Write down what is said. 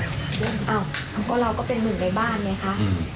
เพราะเราก็เป็นหนึ่งในบ้านไงคะ